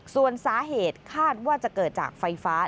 ส่วนสาเหตุคาดว่าจะเกิดจากไฟฟ้า